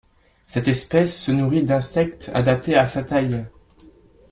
Cette espèce se nourrie d'insectes adaptés à sa taille.